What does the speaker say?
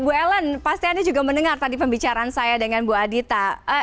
bu ellen pasti anda juga mendengar tadi pembicaraan saya dengan bu adita